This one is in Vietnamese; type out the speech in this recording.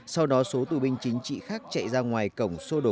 sau đó số tù binh chính trị khác chạy ra ngoài cổng sô đồ